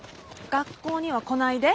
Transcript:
学校には来ないで。